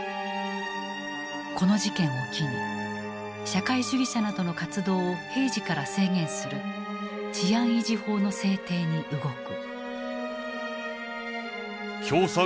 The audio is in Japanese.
この事件を機に社会主義者などの活動を平時から制限する「治安維持法」の制定に動く。